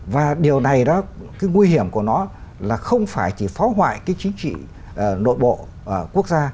và điều này đó cái nguy hiểm của nó là không phải chỉ phá hoại cái chính trị nội bộ ở quốc gia